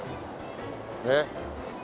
ねえ。